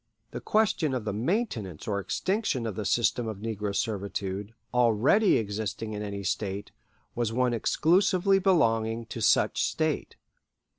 The question of the maintenance or extinction of the system of negro servitude, already existing in any State, was one exclusively belonging to such State.